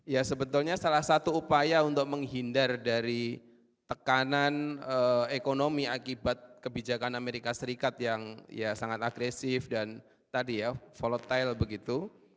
ya sebetulnya salah satu upaya untuk menghindar dari tekanan ekonomi akibat kebijakan amerika serikat yang ya sangat agresif dan tadi ya volatile begitu